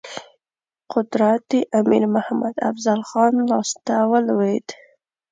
قدرت د امیر محمد افضل خان لاسته ولوېد.